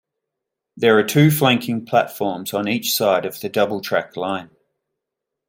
There are two flanking platforms on each side of the double track line.